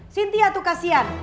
sintia tuh kasihan